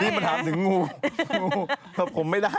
ที่ประถามถึงงูเราพวกผมไม่ได้นะ